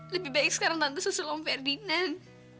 lebih baik sekarang tante susul om ferdinand